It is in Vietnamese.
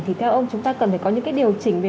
thì theo ông chúng ta cần phải có những cái điều chỉnh về